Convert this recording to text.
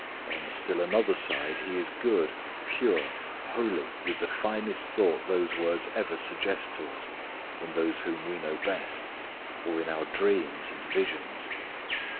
On still another side He is good, pure, holy with the finest thought those words ever suggest to us in those whom we know best, or in our dreams and visions.